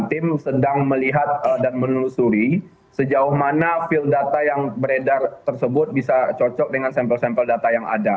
tim sedang melihat dan menelusuri sejauh mana field data yang beredar tersebut bisa cocok dengan sampel sampel data yang ada